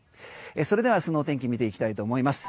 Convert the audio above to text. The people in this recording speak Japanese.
それでは明日の天気見ていきたいと思います。